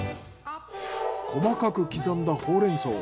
細かく刻んだホウレンソウ